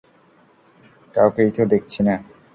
কাউকেই তো দেখছি না।